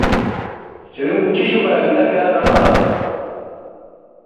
lleve un cuchillo para evitar quedar atrapado.